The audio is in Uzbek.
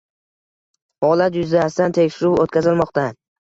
Holat yuzasidan tekshiruv o‘tkazilmoqda